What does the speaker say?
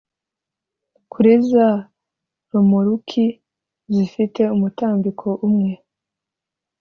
kuri za romoruki zifite umutambiko umwe